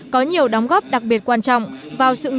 có nhiều đóng góp đặc biệt quan trọng vào sự nghiên cứu